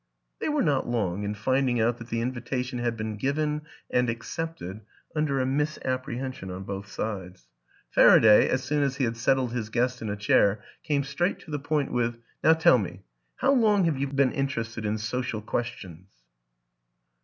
They were not long in finding out that the in vitation had been given and accepted under a mis apprehension on both sides. Faraday, as soon as he had settled his guest in a chair, came straight to the point with " Now tell me how long have you been interested in social questions?